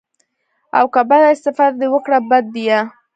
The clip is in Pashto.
او که بده استفاده دې وکړه بد ديه.